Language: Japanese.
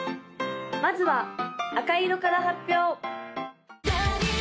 まずは赤色から発表！